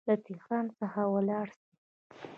له تهران څخه ولاړ سي.